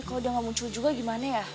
kalau dia nggak muncul juga gimana ya